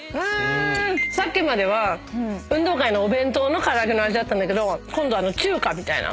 さっきまでは運動会のお弁当の唐揚げの味だったんだけど今度は中華みたいな。